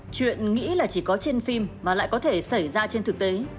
chuyện nghĩ là chỉ có trên phim mà lại có thể xảy ra trên thực tế